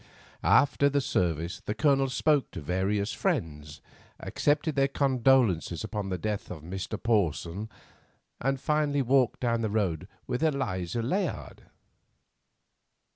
After the service the Colonel spoke to various friends, accepted their condolences upon the death of Mr. Porson, and finally walked down the road with Eliza Layard.